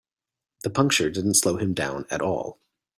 The puncture didn't slow him down at all.